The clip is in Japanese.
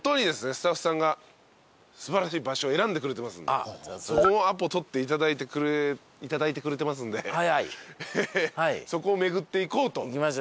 スタッフさんが素晴らしい場所を選んでくれてますんでそこアポ取っていただいてくれてますんでそこを巡っていこうということになっております。